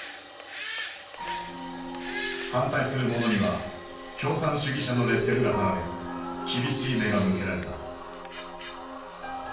反対する者には「共産主義者」のレッテルが貼られ厳しい目が向けられた。